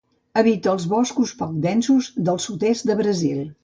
Habita els boscos poc densos del sud-est de Brasil.